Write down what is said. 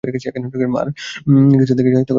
আর কিসরাই তাকে শায়েস্তা করার জন্য যথেষ্ট।